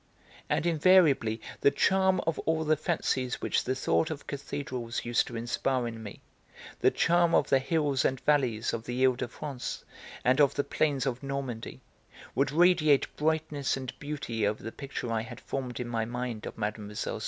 And invariably the charm of all the fancies which the thought of cathedrals used to inspire in me, the charm of the hills and valleys of the He de France and of the plains of Normandy, would radiate brightness and beauty over the picture I had formed in my mind of Mlle.